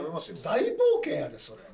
大冒険やでそれ。